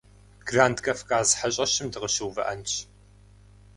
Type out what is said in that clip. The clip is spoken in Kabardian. Гранд Кавказ хьэщӏэщым дыкъыщыувыӏэнщ.